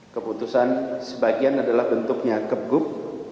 keputusan sebagian adalah bentuknya kegub